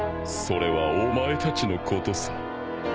それはお前たちのことさ。